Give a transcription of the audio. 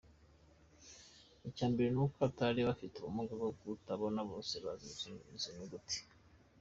Icya mbere n’uko atari abafite ubumuga bwo kutabona bose bazi gusoma izo nyuguti.